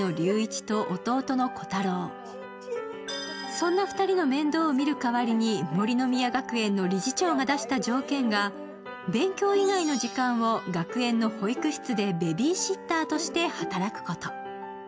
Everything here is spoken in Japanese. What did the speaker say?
そんな２人の面倒を見る代わりに森ノ宮学園の理事長が出した条件は勉強以外の時間を学園の保育室でベビーシッターとして働くこと。